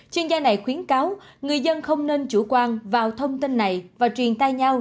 chuyên gia này khuyến cáo người dân không nên chủ quan vào thông tin này và truyền tay nhau